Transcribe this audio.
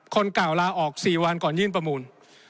คนเก่าลาออก๔วันก่อนยื่นประมูล